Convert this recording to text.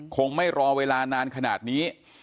คงไม่รอเวลานานขนาดนี้